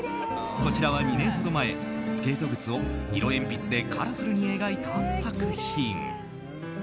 こちらは２年ほど前スケート靴を色鉛筆でカラフルに描いた作品。